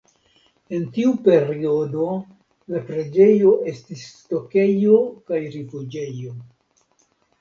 En tiu periodo la preĝejo estis stokejo kaj rifuĝejo.